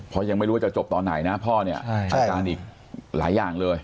เพราะยังไม่รู้ว่าจะจบตอนไหนนะพ่อเนี่ยอาการอีกหลายอย่างเลย